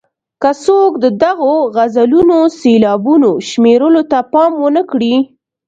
که څوک د دغو غزلونو سېلابونو شمېرلو ته پام ونه کړي.